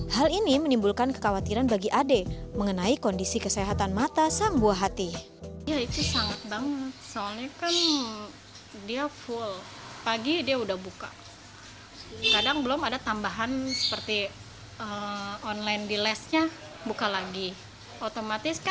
hal ini menimbulkan kekhawatiran bagi ade mengenai kondisi kesehatan mata sang buah hati